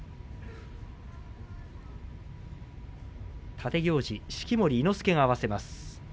立行司式守伊之助が合わせます。